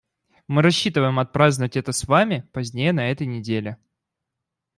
Мы рассчитываем отпраздновать это с вами позднее на этой неделе.